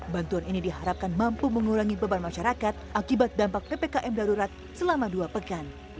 bantuan ini diharapkan mampu mengurangi beban masyarakat akibat dampak ppkm darurat selama dua pekan